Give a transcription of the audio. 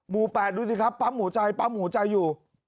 หมู่๘ดูสิครับปั๊มหัวใจปั๊มหัวใจอยู่